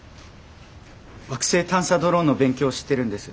惑星探査ドローンの勉強をしてるんです。